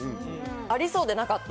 ありそうでなかった